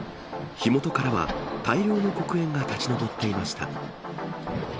火元からは、大量の黒煙が立ち上っていました。